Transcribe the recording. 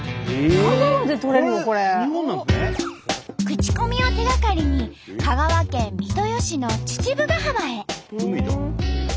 口コミを手がかりに香川県三豊市の父母ヶ浜へ。